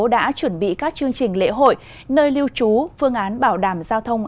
đã chuẩn bị các chương trình lễ hội nơi lưu trú phương án bảo đảm giao thông